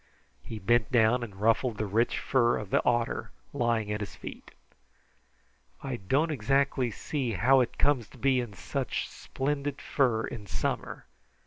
He bent down and ruffled the rich fur of the otter lying at his feet. "I don't exactly see how it comes to be in such splendid fur in summer.